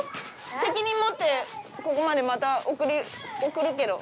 責任持ってここまでまた送るけど。